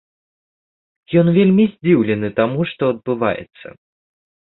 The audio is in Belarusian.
Ён вельмі здзіўлены таму, што адбываецца.